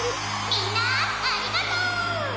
「みんなありがとう！」。